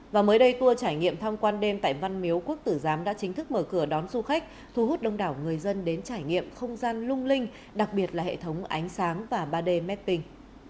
và mới đây tour trải nghiệm tham quan đêm tại văn miếu quốc tử giám đã chính thức mở cửa đón du khách thu hút đông đảo người dân đến trải nghiệm không gian lung linh đặc biệt là hệ thống ánh sáng và ba d mapping